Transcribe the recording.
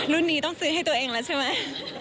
รุ่นนี้ต้องซื้อให้ตัวเองแล้วใช่ไหม